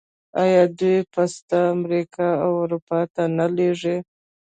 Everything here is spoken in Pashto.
آیا دوی پسته امریکا او اروپا ته نه لیږي؟